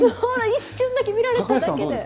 一瞬だけ見られただけで。